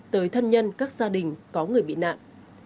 tới thân nhân các gia đình có người bị nạn